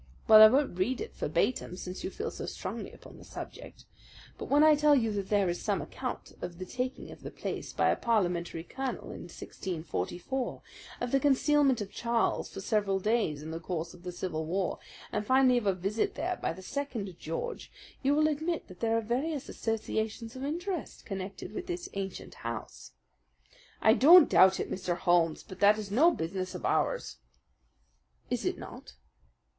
Well, I won't read it verbatim, since you feel so strongly upon the subject. But when I tell you that there is some account of the taking of the place by a parliamentary colonel in 1644, of the concealment of Charles for several days in the course of the Civil War, and finally of a visit there by the second George, you will admit that there are various associations of interest connected with this ancient house." "I don't doubt it, Mr. Holmes; but that is no business of ours." "Is it not?